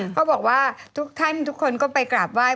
เขาบอกว่าทุกท่านทุกคนก็ไปกราบไห้